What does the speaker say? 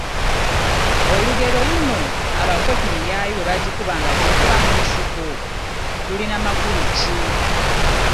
Olugero luno: “Abakopi miyaayu bwe bajiyita nga gyekuba nsiko", lulina makulu ki?